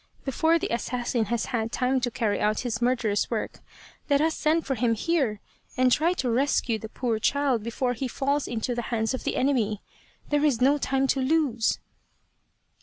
Before the assassin has had time to carry out his murderous work let us send for him here, and try to rescue the poor child before he falls into the hands of the enemy. There is no time to lose."